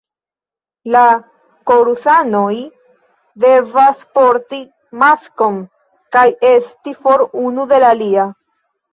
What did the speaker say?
La korusanoj devas porti maskon kaj esti for unu de la alia.